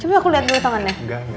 coba aku liat dulu tangannya